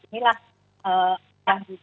beruntung dengan keluarga yang beruntung